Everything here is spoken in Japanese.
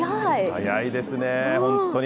速いですね、本当に。